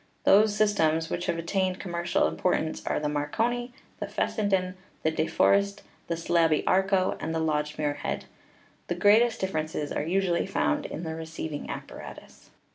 Those systems which have attained commercial importance are the Marconi, the Fessenden, the De For est, the Slaby Arco, and the Lodge Muirhead. The great est differences are usually found in the receiving appa ratus.